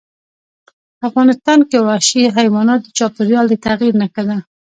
افغانستان کې وحشي حیوانات د چاپېریال د تغیر نښه ده.